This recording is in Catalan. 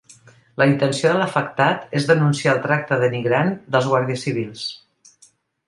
La intenció de l’afectat és denunciar el tracte denigrant dels guàrdies civils.